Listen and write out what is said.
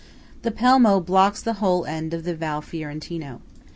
The Pelmo blocks the whole end of the Val Fiorentino.